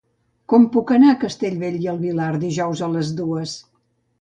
Com puc anar a Castellbell i el Vilar dijous a les dues?